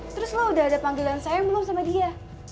terus lo udah ada panggilan saya belum sama dia